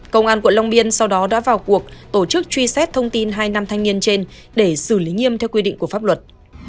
công an quận long biên sau đó đã vào cuộc tổ chức truy xét thông tin hai nam thanh niên trên để xử lý nghiêm theo quy định của pháp luật